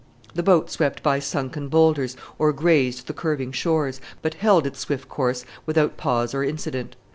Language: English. The boat swept by sunken boulders, or grazed the curving shores, but held its swift course without pause or incident.